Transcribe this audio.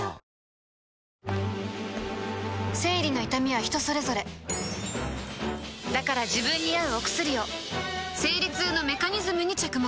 生理の痛みは人それぞれだから自分に合うお薬を生理痛のメカニズムに着目